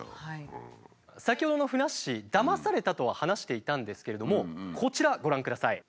先ほどのふなっしーだまされたとは話していたんですけれどもこちらご覧ください。